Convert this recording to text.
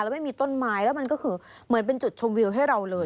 แล้วไม่มีต้นไม้แล้วมันก็คือเหมือนเป็นจุดชมวิวให้เราเลย